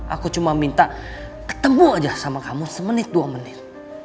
aku cuma minta ketemu aja sama kamu semenit dua menit